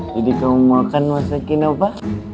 jadi kamu mau makan masakin apa